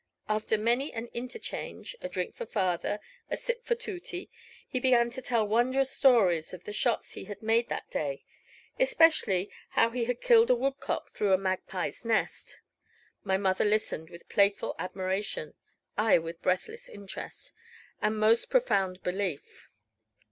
After many an interchange, a drink for father, a sip for Tooty, he began to tell wondrous stories of the shots he had made that day; especially how he had killed a woodcock through a magpie's nest. My mother listened with playful admiration; I with breathless interest, and most profound belief.